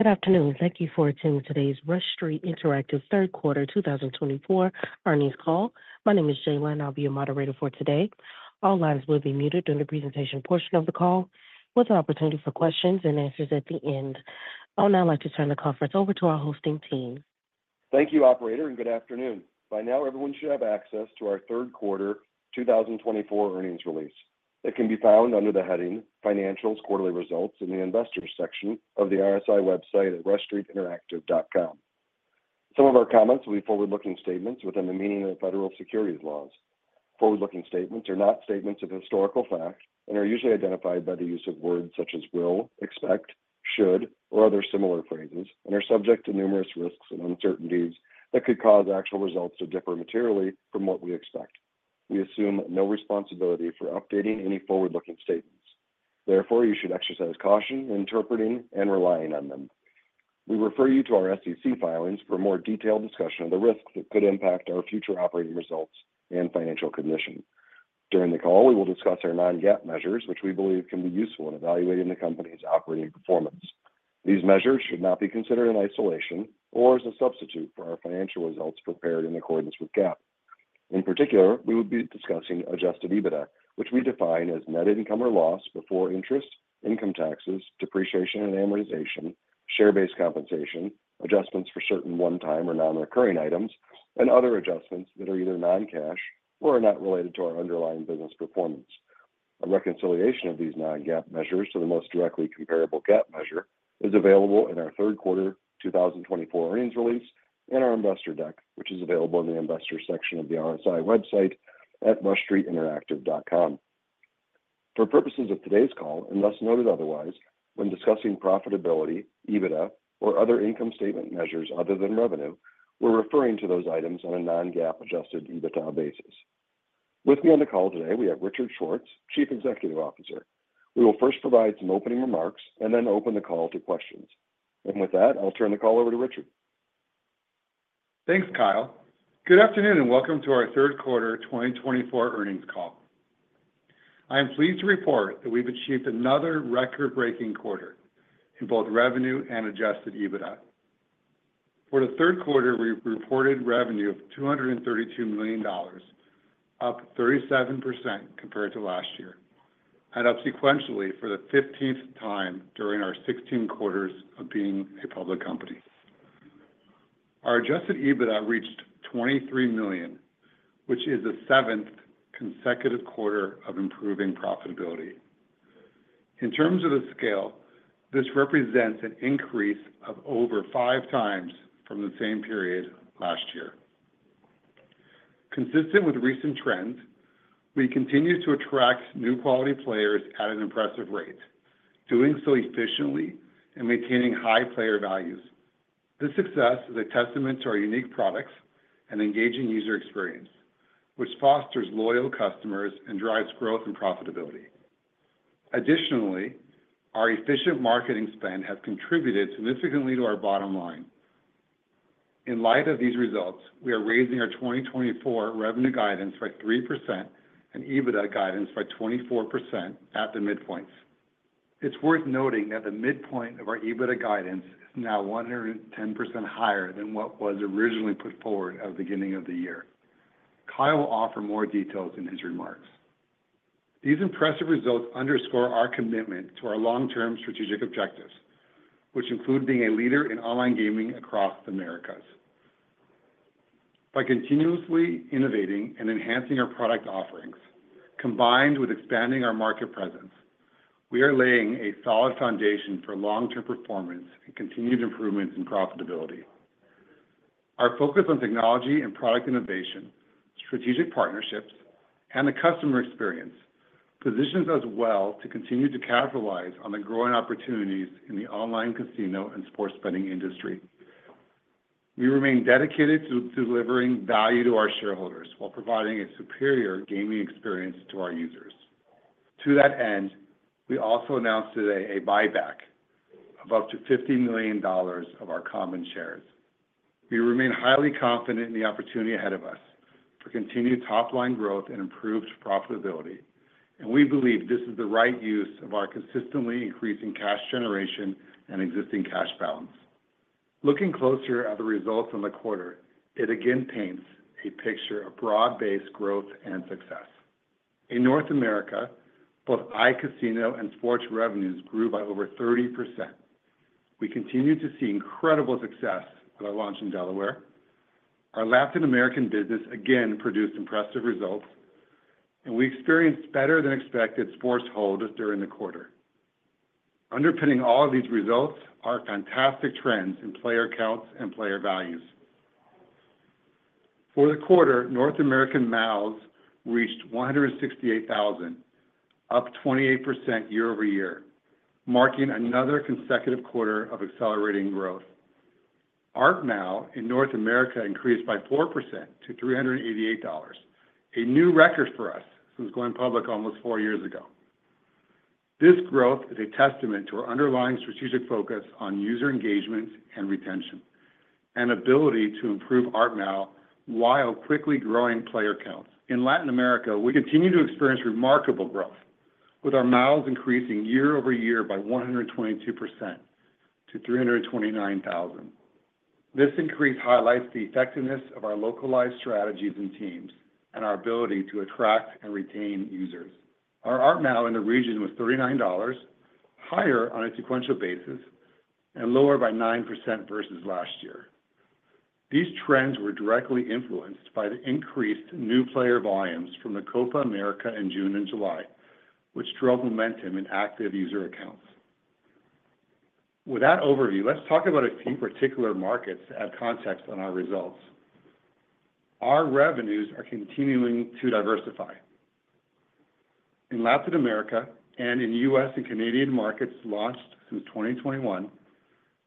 Good afternoon. Thank you for attending today's Rush Street Interactive Third Quarter 2024 earnings call. My name is Jaylen. I'll be your moderator for today. All lines will be muted during the presentation portion of the call, with an opportunity for questions and answers at the end. I'll now like to turn the conference over to our hosting team. Thank you, Operator, and good afternoon. By now, everyone should have access to our Third Quarter 2024 earnings release. It can be found under the heading "Financials Quarterly Results" in the Investors section of the RSI website at rushstreetinteractive.com. Some of our comments will be forward-looking statements within the meaning of federal securities laws. Forward-looking statements are not statements of historical fact and are usually identified by the use of words such as "will," "expect," "should," or other similar phrases, and are subject to numerous risks and uncertainties that could cause actual results to differ materially from what we expect. We assume no responsibility for updating any forward-looking statements. Therefore, you should exercise caution in interpreting and relying on them. We refer you to our SEC filings for a more detailed discussion of the risks that could impact our future operating results and financial condition. During the call, we will discuss our non-GAAP measures, which we believe can be useful in evaluating the company's operating performance. These measures should not be considered in isolation or as a substitute for our financial results prepared in accordance with GAAP. In particular, we will be discussing Adjusted EBITDA, which we define as net income or loss before interest, income taxes, depreciation and amortization, share-based compensation, adjustments for certain one-time or non-recurring items, and other adjustments that are either non-cash or are not related to our underlying business performance. A reconciliation of these non-GAAP measures to the most directly comparable GAAP measure is available in our Third Quarter 2024 earnings release and our Investor Deck, which is available in the Investor section of the RSI website at rushstreetinteractive.com. For purposes of today's call, unless otherwise noted, when discussing profitability, EBITDA, or other income statement measures other than revenue, we're referring to those items on a non-GAAP Adjusted EBITDA basis. With me on the call today, we have Richard Schwartz, Chief Executive Officer. We will first provide some opening remarks and then open the call to questions, and with that, I'll turn the call over to Richard. Thanks, Kyle. Good afternoon and welcome to our Third Quarter 2024 earnings call. I am pleased to report that we've achieved another record-breaking quarter in both revenue and Adjusted EBITDA. For the Third Quarter, we reported revenue of $232 million, up 37% compared to last year, and up sequentially for the 15th time during our 16 quarters of being a public company. Our Adjusted EBITDA reached $23 million, which is the seventh consecutive quarter of improving profitability. In terms of the scale, this represents an increase of over 5x from the same period last year. Consistent with recent trends, we continue to attract new quality players at an impressive rate, doing so efficiently and maintaining high player values. This success is a testament to our unique products and engaging user experience, which fosters loyal customers and drives growth and profitability. Additionally, our efficient marketing spend has contributed significantly to our bottom line. In light of these results, we are raising our 2024 revenue guidance by 3% and EBITDA guidance by 24% at the midpoint. It's worth noting that the midpoint of our EBITDA guidance is now 110% higher than what was originally put forward at the beginning of the year. Kyle will offer more details in his remarks. These impressive results underscore our commitment to our long-term strategic objectives, which include being a leader in online gaming across the Americas. By continuously innovating and enhancing our product offerings, combined with expanding our market presence, we are laying a solid foundation for long-term performance and continued improvements in profitability. Our focus on technology and product innovation, strategic partnerships, and the customer experience positions us well to continue to capitalize on the growing opportunities in the online casino and sports betting industry. We remain dedicated to delivering value to our shareholders while providing a superior gaming experience to our users. To that end, we also announced today a buyback of up to $50 million of our common shares. We remain highly confident in the opportunity ahead of us for continued top-line growth and improved profitability, and we believe this is the right use of our consistently increasing cash generation and existing cash balance. Looking closer at the results in the quarter, it again paints a picture of broad-based growth and success. In North America, both iCasino and sports revenues grew by over 30%. We continue to see incredible success with our launch in Delaware. Our Latin American business again produced impressive results, and we experienced better-than-expected sports holds during the quarter. Underpinning all of these results are fantastic trends in player counts and player values. For the quarter, North American MAUs reached 168,000, up 28% year-over-year, marking another consecutive quarter of accelerating growth. ARPMAU in North America increased by 4% to $388, a new record for us since going public almost four years ago. This growth is a testament to our underlying strategic focus on user engagement and retention, and ability to improve ARPMAU while quickly growing player counts. In Latin America, we continue to experience remarkable growth, with our MAUs increasing year-over-year by 122% to 329,000. This increase highlights the effectiveness of our localized strategies and teams and our ability to attract and retain users. Our ARPMAU in the region was $39, higher on a sequential basis, and lower by 9% versus last year. These trends were directly influenced by the increased new player volumes from the Copa America in June and July, which drove momentum in active user accounts. With that overview, let's talk about a few particular markets to add context on our results. Our revenues are continuing to diversify. In Latin America and in U.S. and Canadian markets launched since 2021,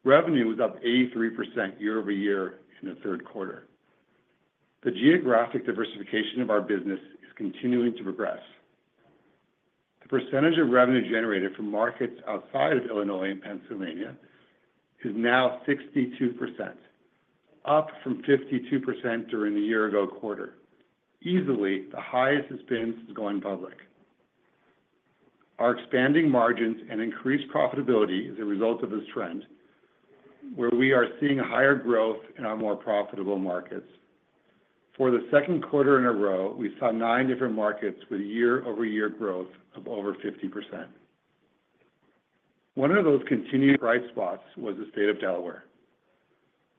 revenue was up 83% year-over-year in the third quarter. The geographic diversification of our business is continuing to progress. The percentage of revenue generated from markets outside of Illinois and Pennsylvania is now 62%, up from 52% during the year-ago quarter, easily the highest since going public. Our expanding margins and increased profitability is a result of this trend, where we are seeing higher growth in our more profitable markets. For the second quarter in a row, we saw nine different markets with year-over-year growth of over 50%. One of those continued bright spots was the state of Delaware.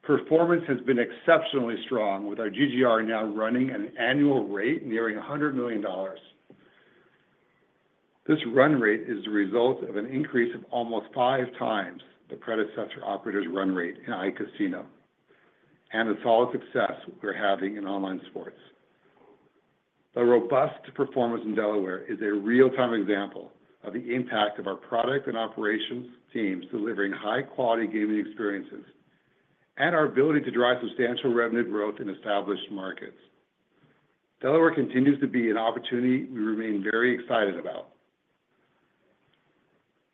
Performance has been exceptionally strong, with our GGR now running at an annual rate nearing $100 million. This run rate is the result of an increase of almost five times the predecessor operator's run rate in iCasino, and a solid success we're having in online sports. The robust performance in Delaware is a real-time example of the impact of our product and operations teams delivering high-quality gaming experiences and our ability to drive substantial revenue growth in established markets. Delaware continues to be an opportunity we remain very excited about.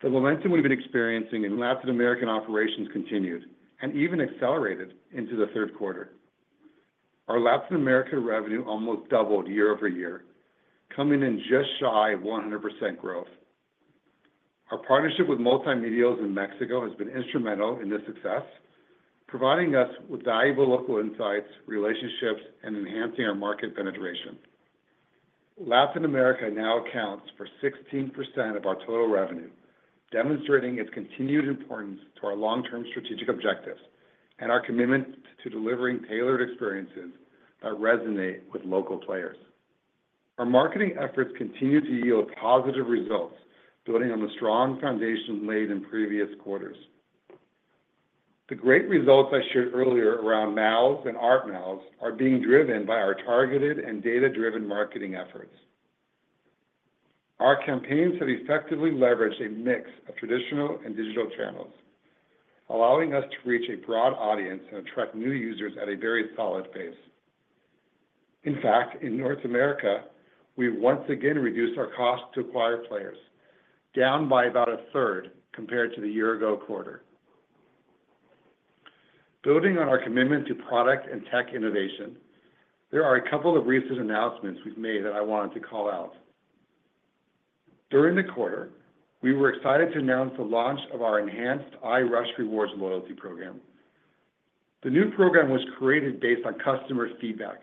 The momentum we've been experiencing in Latin American operations continued and even accelerated into the third quarter. Our Latin America revenue almost doubled year-over-year, coming in just shy of 100% growth. Our partnership with Multimedios in Mexico has been instrumental in this success, providing us with valuable local insights, relationships, and enhancing our market penetration. Latin America now accounts for 16% of our total revenue, demonstrating its continued importance to our long-term strategic objectives and our commitment to delivering tailored experiences that resonate with local players. Our marketing efforts continue to yield positive results, building on the strong foundation laid in previous quarters. The great results I shared earlier around MAUs and ARPMAUs are being driven by our targeted and data-driven marketing efforts. Our campaigns have effectively leveraged a mix of traditional and digital channels, allowing us to reach a broad audience and attract new users at a very solid pace. In fact, in North America, we've once again reduced our cost to acquire players, down by about a third compared to the year-ago quarter. Building on our commitment to product and tech innovation, there are a couple of recent announcements we've made that I wanted to call out. During the quarter, we were excited to announce the launch of our enhanced iRush Rewards loyalty program. The new program was created based on customer feedback,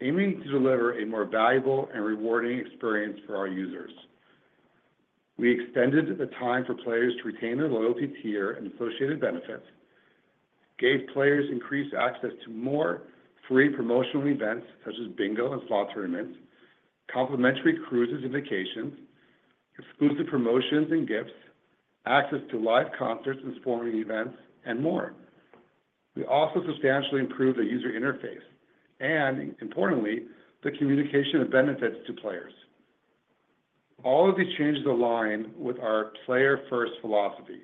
aiming to deliver a more valuable and rewarding experience for our users. We extended the time for players to retain their loyalty tier and associated benefits, gave players increased access to more free promotional events such as bingo and slot tournaments, complimentary cruises and vacations, exclusive promotions and gifts, access to live concerts and sporting events, and more. We also substantially improved the user interface and, importantly, the communication of benefits to players. All of these changes align with our player-first philosophy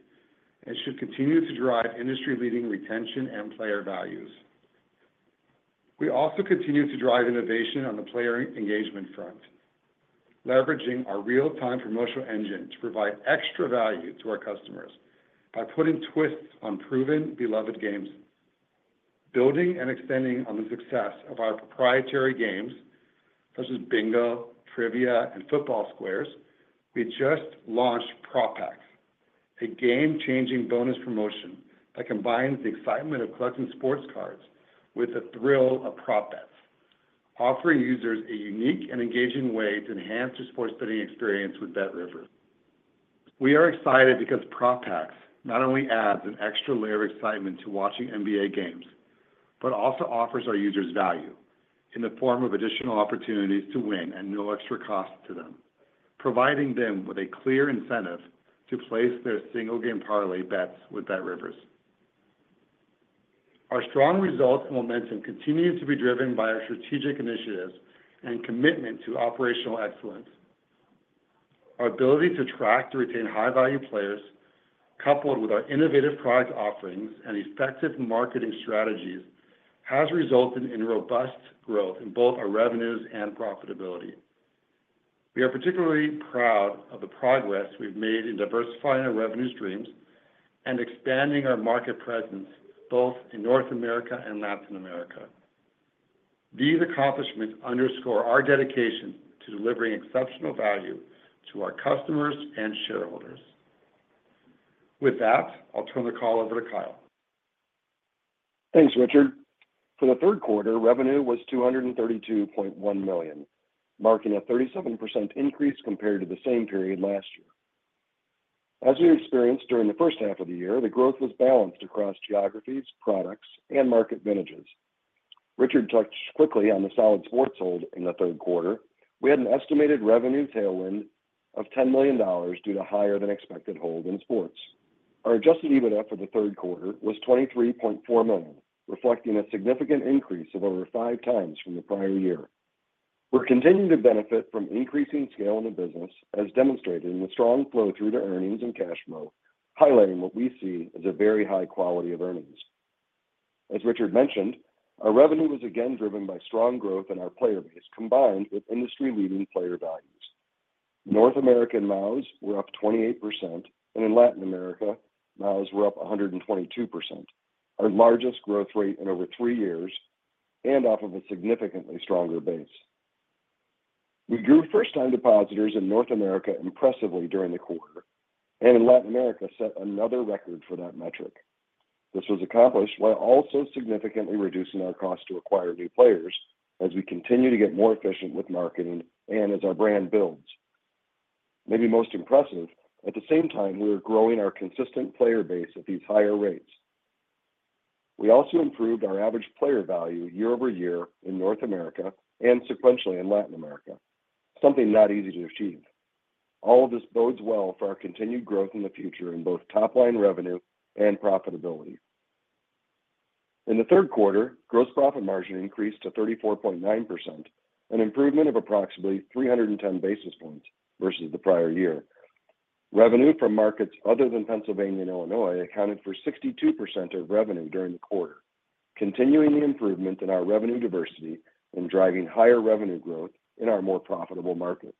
and should continue to drive industry-leading retention and player values. We also continue to drive innovation on the player engagement front, leveraging our real-time promotional engine to provide extra value to our customers by putting twists on proven beloved games. Building and extending on the success of our proprietary games such as Bingo, Trivia, and Football Squares, we just launched Prop Packs, a game-changing bonus promotion that combines the excitement of collecting sports cards with the thrill of prop bets, offering users a unique and engaging way to enhance your sports betting experience with BetRivers. We are excited because Prop Packs not only adds an extra layer of excitement to watching NBA games, but also offers our users value in the form of additional opportunities to win at no extra cost to them, providing them with a clear incentive to place their single-game parlay bets with BetRivers. Our strong results and momentum continue to be driven by our strategic initiatives and commitment to operational excellence. Our ability to attract and retain high-value players, coupled with our innovative product offerings and effective marketing strategies, has resulted in robust growth in both our revenues and profitability. We are particularly proud of the progress we've made in diversifying our revenue streams and expanding our market presence both in North America and Latin America. These accomplishments underscore our dedication to delivering exceptional value to our customers and shareholders. With that, I'll turn the call over to Kyle. Thanks, Richard. For the third quarter, revenue was $232.1 million, marking a 37% increase compared to the same period last year. As we experienced during the first half of the year, the growth was balanced across geographies, products, and market vintages. Richard touched quickly on the solid sports hold in the third quarter. We had an estimated revenue tailwind of $10 million due to a higher-than-expected hold in sports. Our Adjusted EBITDA for the third quarter was $23.4 million, reflecting a significant increase of over 5x from the prior year. We're continuing to benefit from increasing scale in the business, as demonstrated in the strong flow-through to earnings and cash flow, highlighting what we see as a very high quality of earnings. As Richard mentioned, our revenue was again driven by strong growth in our player base, combined with industry-leading player values. North American MAUs were up 28%, and in Latin America, MAUs were up 122%, our largest growth rate in over three years and off of a significantly stronger base. We grew first-time depositors in North America impressively during the quarter, and in Latin America, set another record for that metric. This was accomplished while also significantly reducing our cost to acquire new players as we continue to get more efficient with marketing and as our brand builds. Maybe most impressive, at the same time, we are growing our consistent player base at these higher rates. We also improved our average player value year-over-year in North America and sequentially in Latin America, something not easy to achieve. All of this bodes well for our continued growth in the future in both top-line revenue and profitability. In the third quarter, gross profit margin increased to 34.9%, an improvement of approximately 310 basis points versus the prior year. Revenue from markets other than Pennsylvania and Illinois accounted for 62% of revenue during the quarter, continuing the improvement in our revenue diversity and driving higher revenue growth in our more profitable markets.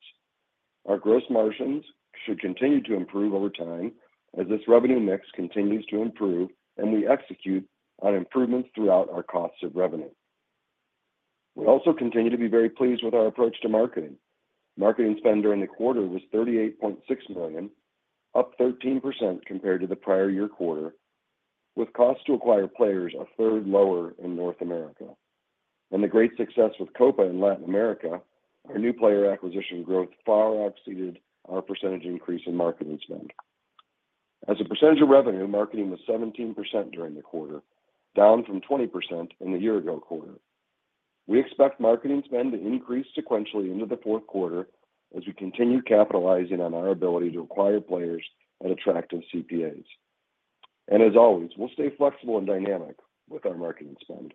Our gross margins should continue to improve over time as this revenue mix continues to improve, and we execute on improvements throughout our costs of revenue. We also continue to be very pleased with our approach to marketing. Marketing spend during the quarter was $38.6 million, up 13% compared to the prior year quarter, with cost to acquire players a third lower in North America, and the great success with Copa in Latin America, our new player acquisition growth far out exceeded our percentage increase in marketing spend. As a percentage of revenue, marketing was 17% during the quarter, down from 20% in the year-ago quarter. We expect marketing spend to increase sequentially into the fourth quarter as we continue capitalizing on our ability to acquire players and attract CPAs, and as always, we'll stay flexible and dynamic with our marketing spend.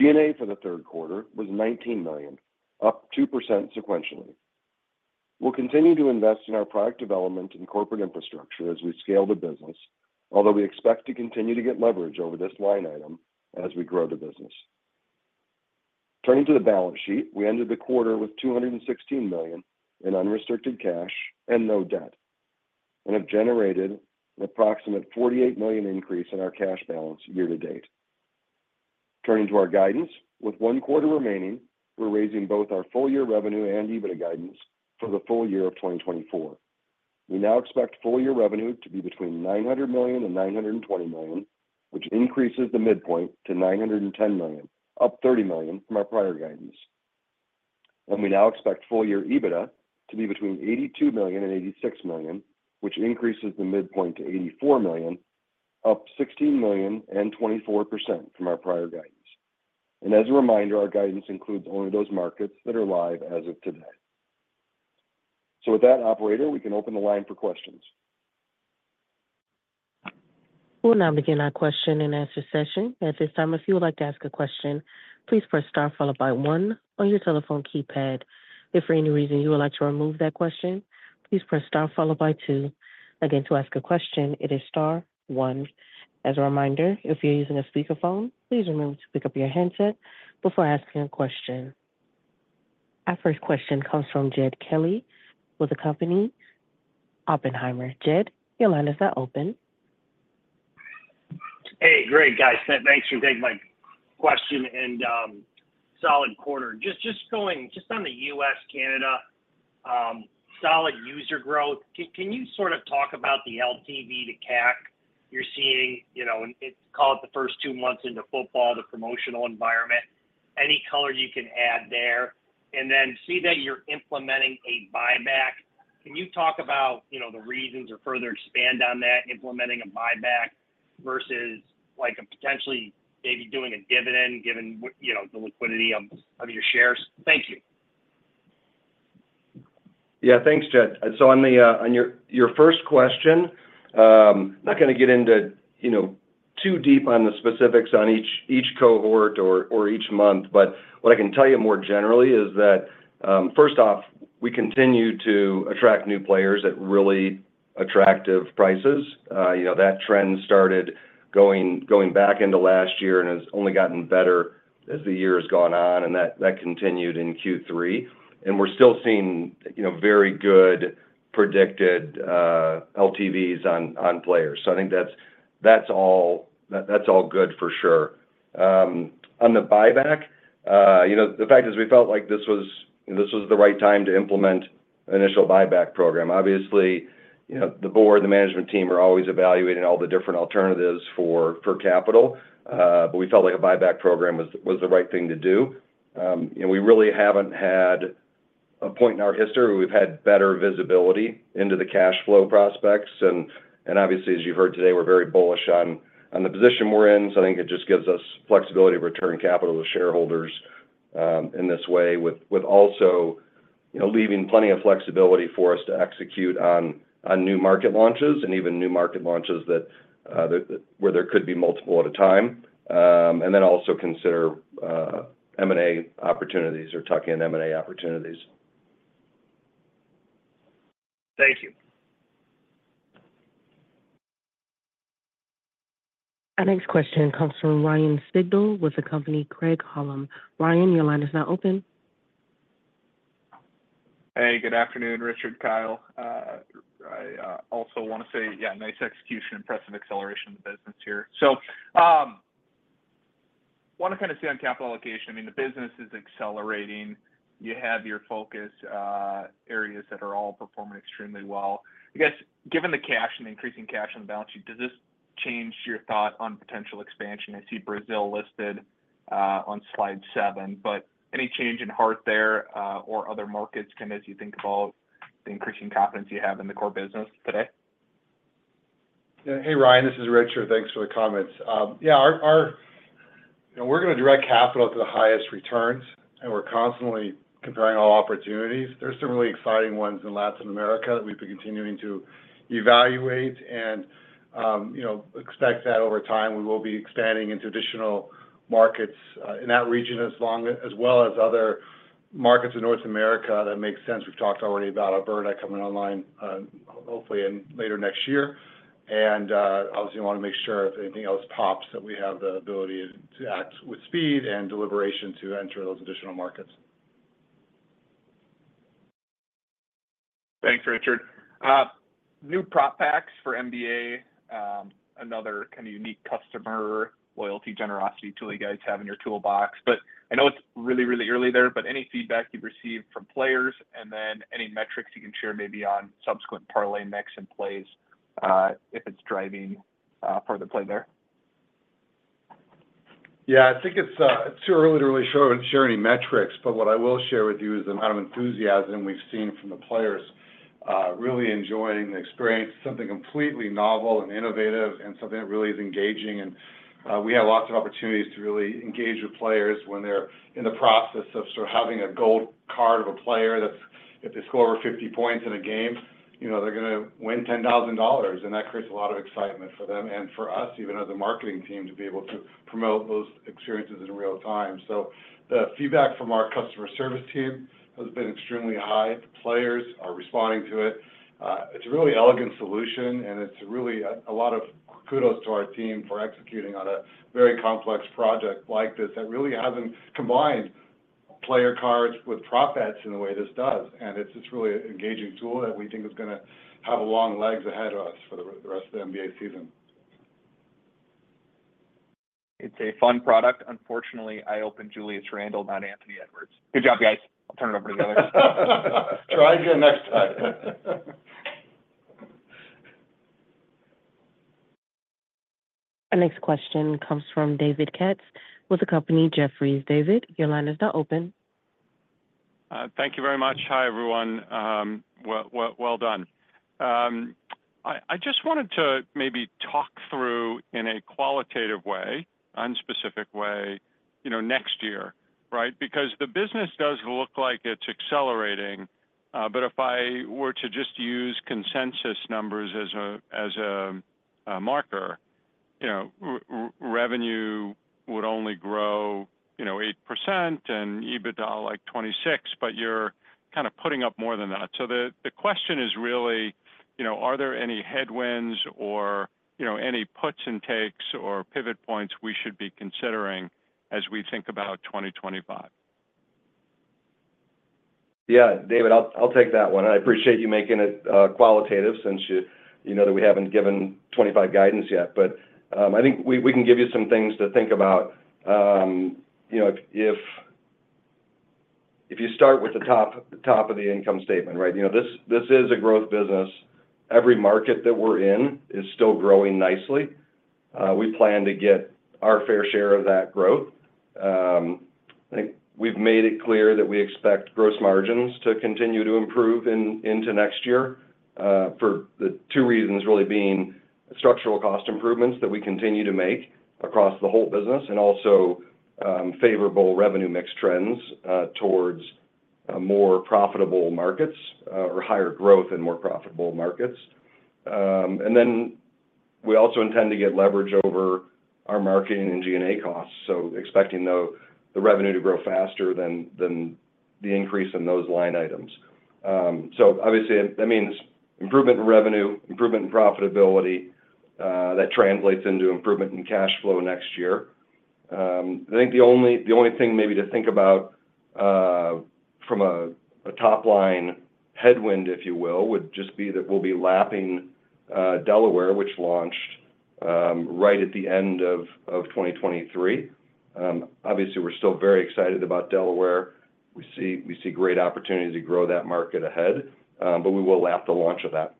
G&A for the third quarter was $19 million, up 2% sequentially. We'll continue to invest in our product development and corporate infrastructure as we scale the business, although we expect to continue to get leverage over this line item as we grow the business. Turning to the balance sheet, we ended the quarter with $216 million in unrestricted cash and no debt and have generated an approximate $48 million increase in our cash balance year-to-date. Turning to our guidance, with one quarter remaining, we're raising both our full-year revenue and EBITDA guidance for the full year of 2024. We now expect full-year revenue to be between $900 million and $920 million, which increases the midpoint to $910 million, up $30 million from our prior guidance. And we now expect full-year EBITDA to be between $82 million and $86 million, which increases the midpoint to $84 million, up $16 million and 24% from our prior guidance. And as a reminder, our guidance includes only those markets that are live as of today. So with that, operator, we can open the line for questions. We'll now begin our question and answer session. At this time, if you would like to ask a question, please press Star followed by one on your telephone keypad. If for any reason you would like to remove that question, please press Star followed by two. Again, to ask a question, it is Star, one. As a reminder, if you're using a speakerphone, please remember to pick up your handset before asking a question. Our first question comes from Jed Kelly with the company Oppenheimer. Jed, your line is now open. Hey, great, guys. Thanks for taking my question and a solid quarter. Just on the U.S., Canada, solid user growth. Can you sort of talk about the LTV to CAC you're seeing, call it the first two months into football, the promotional environment, any color you can add there. And then I see that you're implementing a buyback. Can you talk about the reasons or further expand on that, implementing a buyback versus potentially maybe doing a dividend given the liquidity of your shares? Thank you. Yeah, thanks, Jed. So on your first question, I'm not going to get into too deep on the specifics on each cohort or each month, but what I can tell you more generally is that, first off, we continue to attract new players at really attractive prices. That trend started going back into last year and has only gotten better as the year has gone on, and that continued in Q3. And we're still seeing very good predicted LTVs on players. So I think that's all good for sure. On the buyback, the fact is we felt like this was the right time to implement an initial buyback program. Obviously, the board, the management team are always evaluating all the different alternatives for capital, but we felt like a buyback program was the right thing to do. We really haven't had a point in our history where we've had better visibility into the cash flow prospects. And obviously, as you've heard today, we're very bullish on the position we're in. So I think it just gives us flexibility of return capital to shareholders in this way, with also leaving plenty of flexibility for us to execute on new market launches and even new market launches where there could be multiple at a time, and then also consider M&A opportunities or tuck in M&A opportunities. Thank you. Our next question comes from Ryan Sigdahl with the company Craig-Hallum Capital Group. Ryan, your line is now open. Hey, good afternoon, Richard, Kyle. I also want to say, yeah, nice execution, impressive acceleration of the business here. So I want to kind of say on capital allocation, I mean, the business is accelerating. You have your focus areas that are all performing extremely well. I guess, given the cash and the increasing cash on the balance sheet, does this change your thought on potential expansion? I see Brazil listed on slide seven, but any change of heart there or other markets kind of as you think about the increasing confidence you have in the core business today? Yeah, hey, Ryan, this is Richard. Thanks for the comments. Yeah, we're going to direct capital to the highest returns, and we're constantly comparing all opportunities. There are some really exciting ones in Latin America that we've been continuing to evaluate and expect that over time we will be expanding into additional markets in that region as well as other markets in North America that make sense. We've talked already about Alberta coming online, hopefully later next year. And obviously, we want to make sure if anything else pops that we have the ability to act with speed and deliberation to enter those additional markets. Thanks, Richard. New Prop Packs for NBA, another kind of unique customer loyalty generosity tool you guys have in your toolbox. But I know it's really, really early there, but any feedback you've received from players and then any metrics you can share maybe on subsequent parlay mix and plays if it's driving for the play there? Yeah, I think it's too early to really share any metrics, but what I will share with you is the amount of enthusiasm we've seen from the players really enjoying the experience. It's something completely novel and innovative and something that really is engaging. And we have lots of opportunities to really engage with players when they're in the process of sort of having a gold card of a player that's if they score over 50 points in a game, they're going to win $10,000. And that creates a lot of excitement for them and for us, even as a marketing team, to be able to promote those experiences in real time. So the feedback from our customer service team has been extremely high. Players are responding to it. It's a really elegant solution, and it's really a lot of kudos to our team for executing on a very complex project like this that really hasn't combined player cards with prop bets in the way this does, and it's just really an engaging tool that we think is going to have long legs ahead of us for the rest of the NBA season. It's a fun product. Unfortunately, I opened Julius Randle, not Anthony Edwards. Good job, guys. I'll turn it over to the others. Try again next time. Our next question comes from David Katz with the company Jefferies. David, your line is now open. Thank you very much. Hi, everyone. Well done. I just wanted to maybe talk through in a qualitative way, unspecific way, next year, right? Because the business does look like it's accelerating, but if I were to just use consensus numbers as a marker, revenue would only grow 8% and EBITDA like 26%, but you're kind of putting up more than that. So the question is really, are there any headwinds or any puts and takes or pivot points we should be considering as we think about 2025? Yeah, David, I'll take that one. I appreciate you making it qualitative since you know that we haven't given 25 guidance yet, but I think we can give you some things to think about. If you start with the top of the income statement, right? This is a growth business. Every market that we're in is still growing nicely. We plan to get our fair share of that growth. I think we've made it clear that we expect gross margins to continue to improve into next year for the two reasons really being structural cost improvements that we continue to make across the whole business and also favorable revenue mix trends towards more profitable markets or higher growth in more profitable markets. And then we also intend to get leverage over our marketing and G&A costs. So expecting the revenue to grow faster than the increase in those line items. So obviously, that means improvement in revenue, improvement in profitability that translates into improvement in cash flow next year. I think the only thing maybe to think about from a top-line headwind, if you will, would just be that we'll be lapping Delaware, which launched right at the end of 2023. Obviously, we're still very excited about Delaware. We see great opportunity to grow that market ahead, but we will lap the launch of that.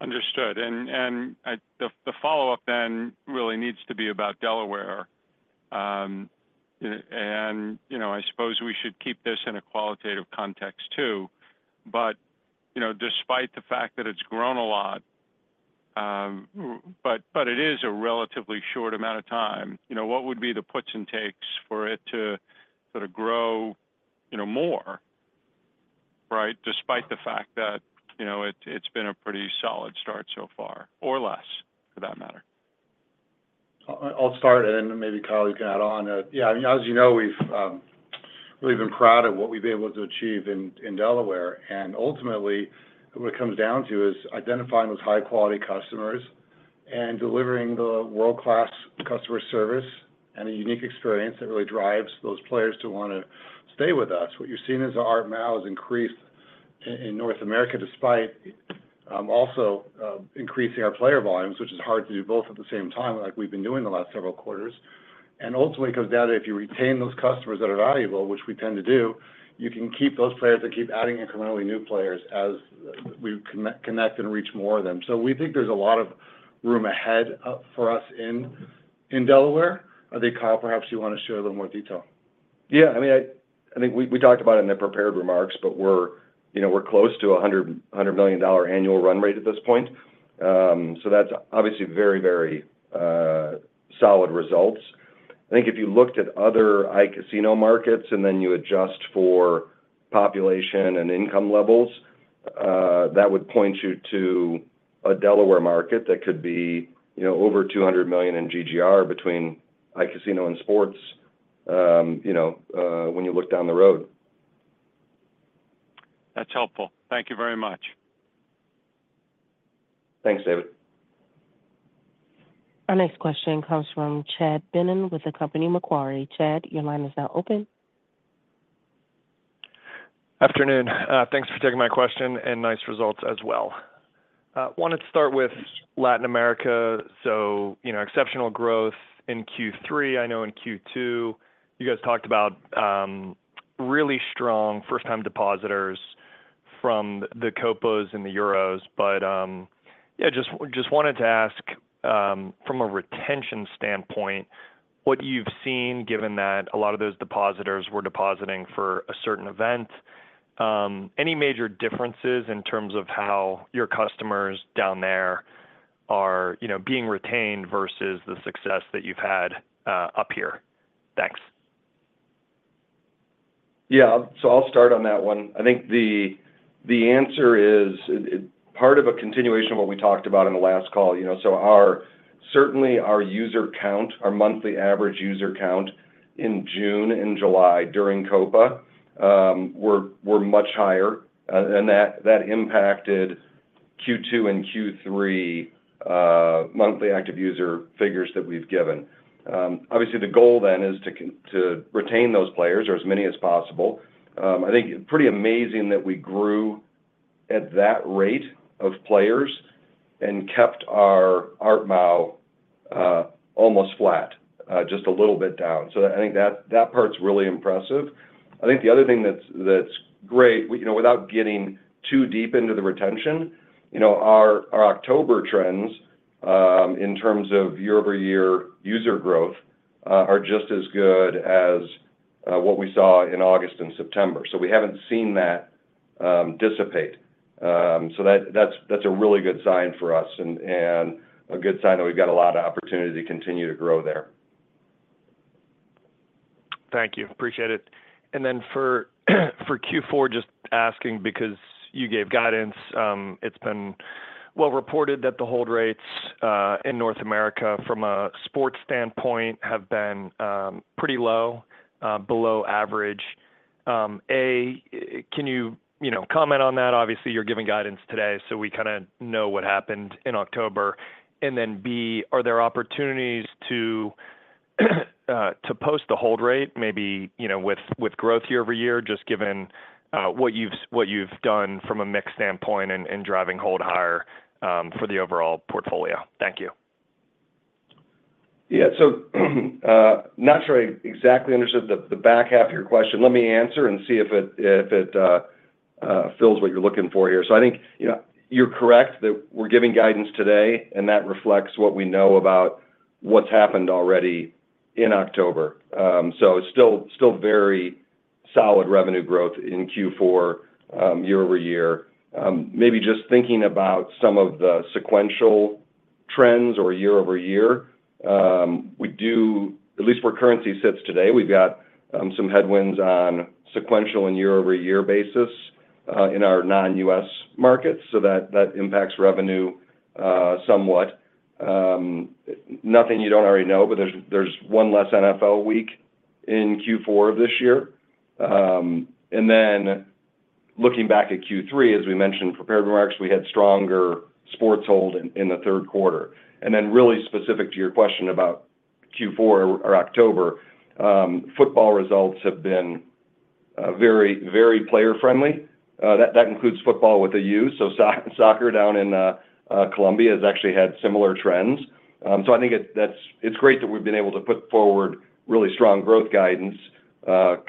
Understood. And the follow-up then really needs to be about Delaware. And I suppose we should keep this in a qualitative context too. But despite the fact that it's grown a lot, but it is a relatively short amount of time, what would be the puts and takes for it to sort of grow more, right, despite the fact that it's been a pretty solid start so far or less for that matter? I'll start, and then maybe Kyle, you can add on. Yeah, I mean, as you know, we've really been proud of what we've been able to achieve in Delaware, and ultimately, what it comes down to is identifying those high-quality customers and delivering the world-class customer service and a unique experience that really drives those players to want to stay with us. What you're seeing as our ARPU now has increased in North America despite also increasing our player volumes, which is hard to do both at the same time like we've been doing the last several quarters, and ultimately, it comes down to if you retain those customers that are valuable, which we tend to do, you can keep those players and keep adding incrementally new players as we connect and reach more of them, so we think there's a lot of room ahead for us in Delaware. I think, Kyle, perhaps you want to share a little more detail. Yeah, I mean, I think we talked about it in the prepared remarks, but we're close to a $100 million annual run rate at this point. So that's obviously very, very solid results. I think if you looked at other iCasino markets and then you adjust for population and income levels, that would point you to a Delaware market that could be over $200 million in GGR between iCasino and sports when you look down the road. That's helpful. Thank you very much. Thanks, David. Our next question comes from Chad Beynon with the company Macquarie. Chad, your line is now open. Afternoon. Thanks for taking my question and nice results as well. I wanted to start with Latin America, so exceptional growth in Q3. I know in Q2, you guys talked about really strong first-time depositors from the Copas and the Euros, but yeah, just wanted to ask from a retention standpoint, what you've seen given that a lot of those depositors were depositing for a certain event, any major differences in terms of how your customers down there are being retained versus the success that you've had up here? Thanks. Yeah, so I'll start on that one. I think the answer is part of a continuation of what we talked about in the last call. So certainly our user count, our monthly average user count in June and July during Copa were much higher. And that impacted Q2 and Q3 monthly active user figures that we've given. Obviously, the goal then is to retain those players or as many as possible. I think pretty amazing that we grew at that rate of players and kept our ARPMAU almost flat, just a little bit down. So I think that part's really impressive. I think the other thing that's great, without getting too deep into the retention, our October trends in terms of year-over-year user growth are just as good as what we saw in August and September. So we haven't seen that dissipate. That's a really good sign for us and a good sign that we've got a lot of opportunity to continue to grow there. Thank you. Appreciate it, and then for Q4, just asking because you gave guidance, it's been well reported that the hold rates in North America from a sports standpoint have been pretty low, below average. A, can you comment on that? Obviously, you're giving guidance today, so we kind of know what happened in October, and then B, are there opportunities to boost the hold rate maybe with growth year over year, just given what you've done from a mix standpoint and driving hold higher for the overall portfolio? Thank you. Yeah, so not sure I exactly understood the back half of your question. Let me answer and see if it fills what you're looking for here. So I think you're correct that we're giving guidance today, and that reflects what we know about what's happened already in October. So still very solid revenue growth in Q4 year over year. Maybe just thinking about some of the sequential trends or year over year, we do, at least where currency sits today, we've got some headwinds on sequential and year-over-year basis in our non-U.S. markets. So that impacts revenue somewhat. Nothing you don't already know, but there's one less NFL week in Q4 of this year. And then looking back at Q3, as we mentioned in prepared remarks, we had stronger sports hold in the third quarter. And then really specific to your question about Q4 or October, football results have been very, very player-friendly. That includes football with a U. So soccer down in Colombia has actually had similar trends. So I think it's great that we've been able to put forward really strong growth guidance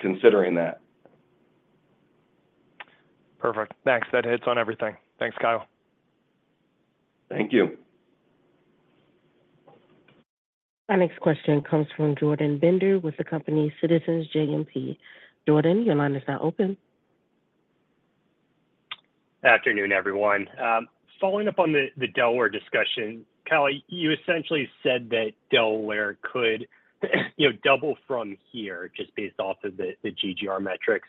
considering that. Perfect. Thanks. That hits on everything. Thanks, Kyle. Thank you. Our next question comes from Jordan Bender with the company Citizens JMP. Jordan, your line is now open. Afternoon, everyone. Following up on the Delaware discussion, Kyle, you essentially said that Delaware could double from here just based off of the GGR metrics.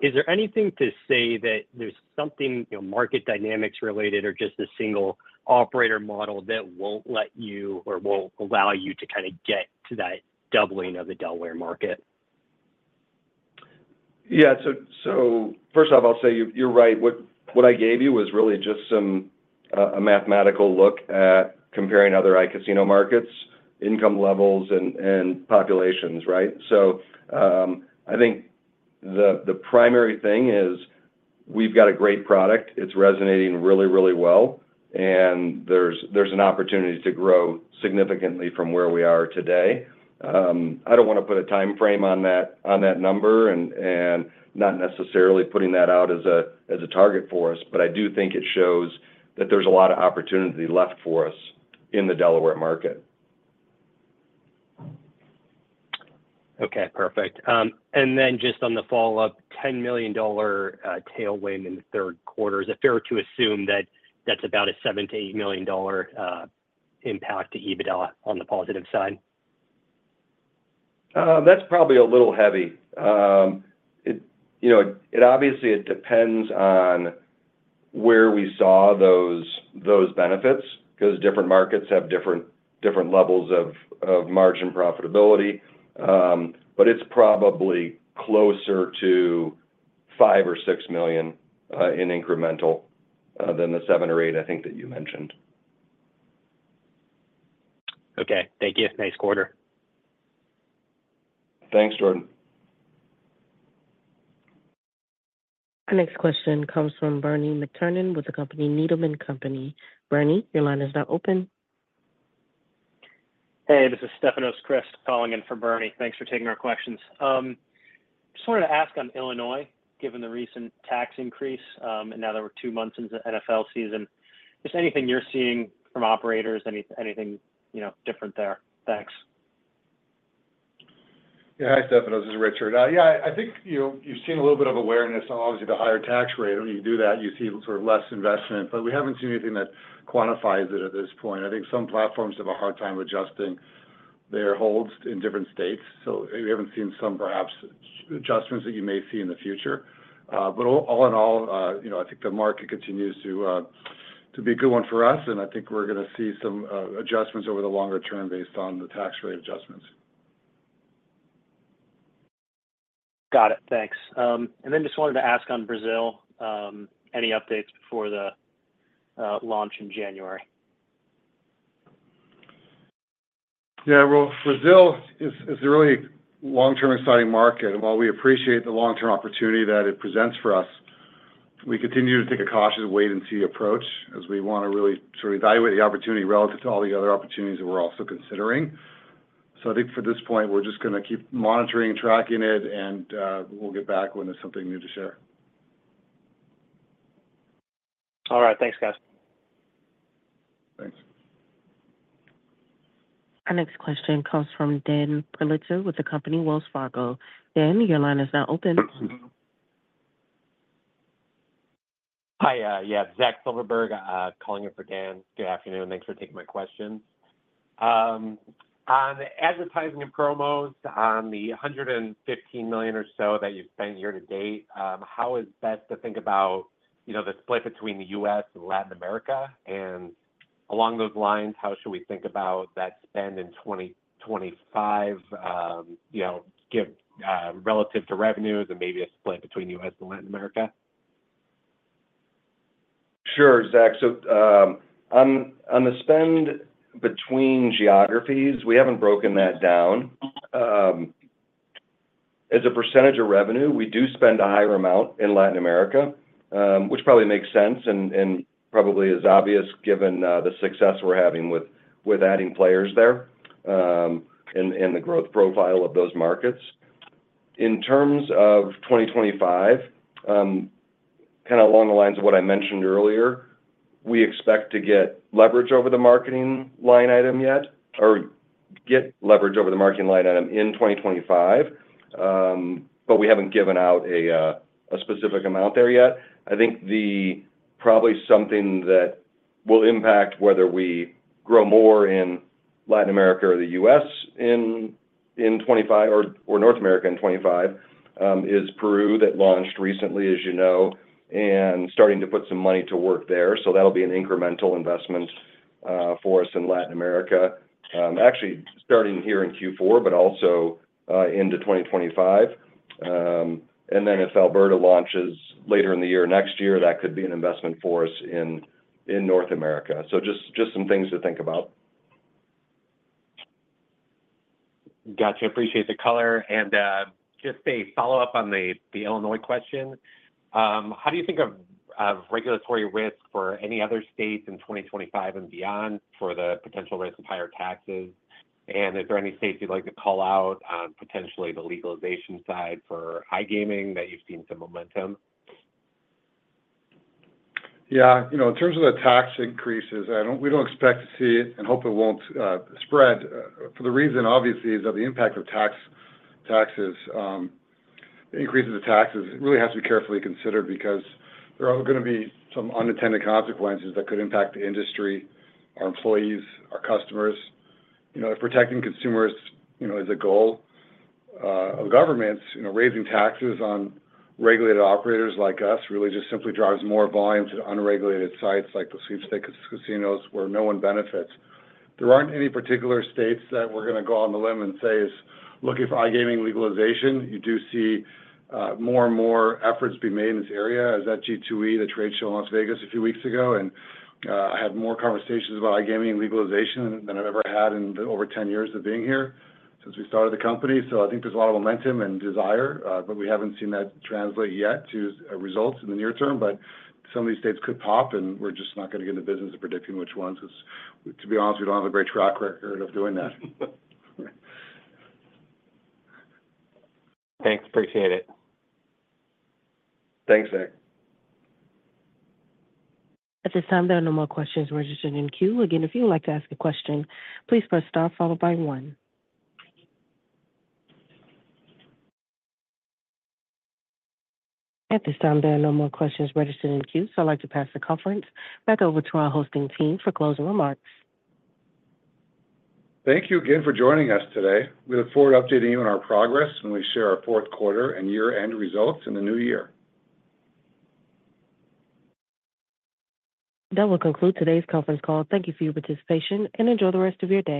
Is there anything to say that there's something market dynamics related or just a single operator model that won't let you or won't allow you to kind of get to that doubling of the Delaware market? Yeah. So first off, I'll say you're right. What I gave you was really just a mathematical look at comparing other iCasino markets, income levels, and populations, right? So I think the primary thing is we've got a great product. It's resonating really, really well. And there's an opportunity to grow significantly from where we are today. I don't want to put a timeframe on that number and not necessarily putting that out as a target for us, but I do think it shows that there's a lot of opportunity left for us in the Delaware market. Okay. Perfect. And then just on the follow-up, $10 million tailwind in the third quarter, is it fair to assume that that's about a $7-$8 million impact to EBITDA on the positive side? That's probably a little heavy. Obviously, it depends on where we saw those benefits because different markets have different levels of margin profitability. But it's probably closer to $5 million or $6 million in incremental than the $7 or $8 I think that you mentioned. Okay. Thank you. Nice quarter. Thanks, Jordan. Our next question comes from Bernie McTernan with the company Needham & Company. Bernie, your line is now open. Hey, this is Stefanos Crist calling in for Bernie. Thanks for taking our questions. Just wanted to ask on Illinois, given the recent tax increase and now that we're two months into NFL season, just anything you're seeing from operators, anything different there? Thanks. Yeah. Hi, Stefanos. This is Richard. Yeah, I think you've seen a little bit of awareness on obviously the higher tax rate. When you do that, you see sort of less investment. But we haven't seen anything that quantifies it at this point. I think some platforms have a hard time adjusting their holds in different states. So we haven't seen some perhaps adjustments that you may see in the future. But all in all, I think the market continues to be a good one for us, and I think we're going to see some adjustments over the longer term based on the tax rate adjustments. Got it. Thanks. And then just wanted to ask on Brazil, any updates before the launch in January? Yeah, well, Brazil is a really long-term exciting market, and while we appreciate the long-term opportunity that it presents for us, we continue to take a cautious wait-and-see approach as we want to really sort of evaluate the opportunity relative to all the other opportunities that we're also considering, so I think for this point, we're just going to keep monitoring and tracking it, and we'll get back when there's something new to share. All right. Thanks, guys. Thanks. Our next question comes from Dan Politzer with the company Wells Fargo. Dan, your line is now open. Hi. Yeah, Zach Silverberg calling in for Dan. Good afternoon. Thanks for taking my questions. On the advertising and promos, on the $115 million or so that you've spent year to date, how is best to think about the split between the U.S. and Latin America? And along those lines, how should we think about that spend in 2025 relative to revenues and maybe a split between the U.S. and Latin America? Sure, Zach. So on the spend between geographies, we haven't broken that down. As a percentage of revenue, we do spend a higher amount in Latin America, which probably makes sense and probably is obvious given the success we're having with adding players there and the growth profile of those markets. In terms of 2025, kind of along the lines of what I mentioned earlier, we expect to get leverage over the marketing line item in 2025, but we haven't given out a specific amount there yet. I think probably something that will impact whether we grow more in Latin America or the U.S. in 25 or North America in 25 is Peru that launched recently, as you know, and starting to put some money to work there. So that'll be an incremental investment for us in Latin America, actually starting here in Q4, but also into 2025. And then if Alberta launches later in the year next year, that could be an investment for us in North America. So just some things to think about. Gotcha. Appreciate the color. And just a follow-up on the Illinois question. How do you think of regulatory risk for any other states in 2025 and beyond for the potential risk of higher taxes? And is there any states you'd like to call out on potentially the legalization side for iGaming that you've seen some momentum? Yeah. In terms of the tax increases, we don't expect to see it and hope it won't spread for the reason, obviously, is that the impact of taxes, increases of taxes, really has to be carefully considered because there are going to be some unintended consequences that could impact the industry, our employees, our customers. If protecting consumers is a goal of governments, raising taxes on regulated operators like us really just simply drives more volume to the unregulated sites like the sweepstakes casinos where no one benefits. There aren't any particular states that we're going to go on the limb and say, "Looking for iGaming legalization," you do see more and more efforts being made in this area. I was at G2E, the trade show in Las Vegas a few weeks ago, and I had more conversations about iGaming legalization than I've ever had in over 10 years of being here since we started the company. So I think there's a lot of momentum and desire, but we haven't seen that translate yet to results in the near term. But some of these states could pop, and we're just not going to get into business of predicting which ones because, to be honest, we don't have a great track record of doing that. Thanks. Appreciate it. Thanks, Zach. At this time, there are no more questions registered in queue. Again, if you'd like to ask a question, please press star followed by one. At this time, there are no more questions registered in queue. So I'd like to pass the conference back over to our hosting team for closing remarks. Thank you again for joining us today. We look forward to updating you on our progress when we share our fourth quarter and year-end results in the new year. That will conclude today's conference call. Thank you for your participation and enjoy the rest of your day.